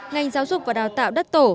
ngành giáo dục và đào tạo đất tổ